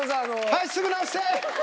はいすぐ直して！